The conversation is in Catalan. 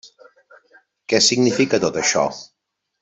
Què significa tot això?